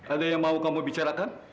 ada yang mau kamu bicarakan